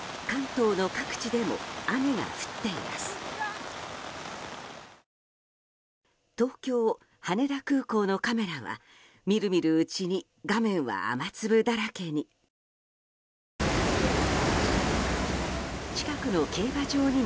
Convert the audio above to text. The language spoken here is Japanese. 東京・羽田空港のカメラはみるみるうちに画面は雨粒だらけに。